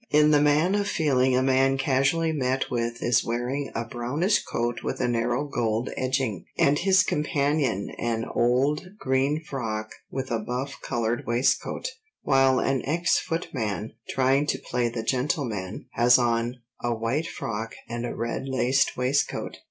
In the Man of Feeling a man casually met with is wearing "a brownish coat with a narrow gold edging, and his companion an old green frock with a buff coloured waistcoat," while an ex footman trying to play the gentleman has on "a white frock and a red laced waistcoat."